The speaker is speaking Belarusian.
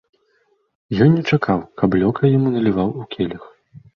Ён не чакаў, каб лёкай яму наліваў у келіх.